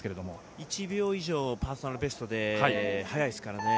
１秒以上、パーソナルベストで早いですからね。